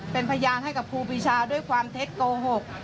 เป็นพยานให้กับครูปีชาด้วยความเท็จโกหก